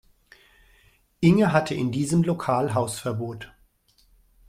Inge hatte in diesem Lokal Hausverbot